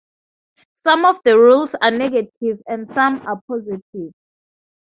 Some of the rules are negative and some are positive.